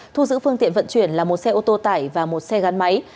thu giữ phương tiện vận chuyển là một xe ô tô tải và một xe gắn máy